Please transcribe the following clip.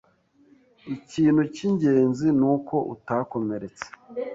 Ikintu cyingenzi nuko utakomeretse.